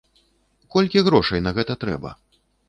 Колькі грошай на гэта трэба?